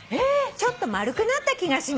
ちょっと丸くなった気がします」